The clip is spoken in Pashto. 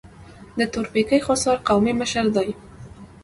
د تورپیکۍ خوسر قومي مشر دی.